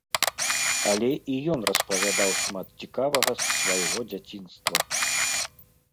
Але і ён распавядаў шмат цікавага з свайго дзяцінства.